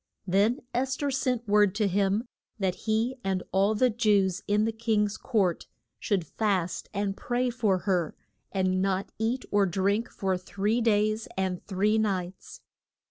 Then Es ther sent word to him that he and all the Jews in the king's court should fast and pray for her, and not eat or drink for three days and three nights.